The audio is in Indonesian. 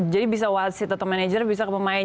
jadi bisa wasit atau manajer bisa ke pemain